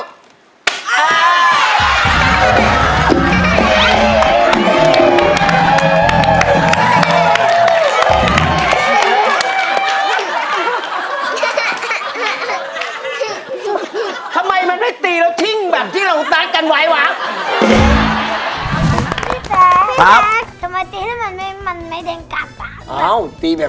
ทำไมมันไม่ตีแล้วทิ้งแบบที่เราตัดกันไหววะ